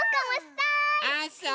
あそう！